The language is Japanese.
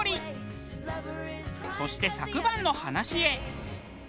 そして昨晩の話へ。